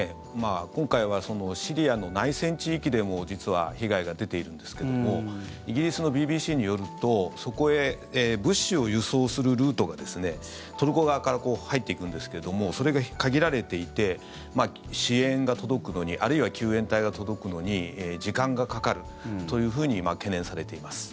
今回はシリアの内戦地域でも実は被害が出ているんですけどもイギリスのＢＢＣによるとそこへ物資を輸送するルートがトルコ側から入っていくんですがそれが限られていて支援が届くのにあるいは救援隊が届くのに時間がかかるというふうに今、懸念されています。